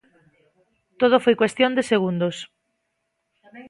Todo foi cuestión de segundos.